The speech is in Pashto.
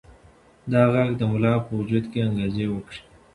دا غږ د ملا په وجود کې انګازې وکړې.